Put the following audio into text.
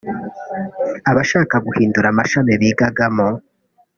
abashaka guhindura amashami bigagamo